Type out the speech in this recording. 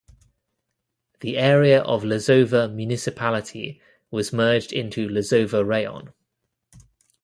The area of Lozova Municipality was merged into Lozova Raion.